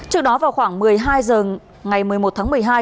trước đó vào khoảng một mươi hai h ngày một mươi một tháng một mươi hai